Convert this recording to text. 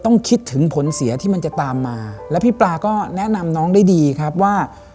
คิดถึงผลเสียที่มันจะตามมาแล้วพี่ปลาก็แนะนำน้องได้ดีครับว่า